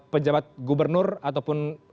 pejabat gubernur ataupun